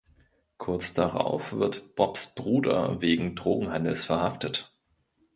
Kurz darauf wird Bobs Bruder wegen Drogenhandels verhaftet.